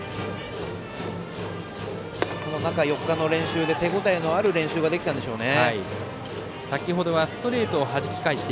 この中４日の練習で手応えのある練習ができたんでしょうね。